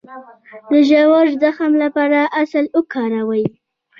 د ژور زخم لپاره عسل وکاروئ